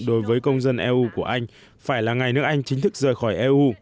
đối với công dân eu của anh phải là ngày nước anh chính thức rời khỏi eu